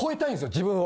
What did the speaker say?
自分を。